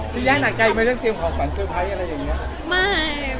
มีแย่หนักใจมาเรื่องเตรียมของขวัญสุดปลายอะไรอย่างนี้